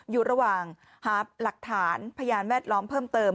อยู่ระหว่างหาหลักฐานพยานแวดล้อมเพิ่มเติม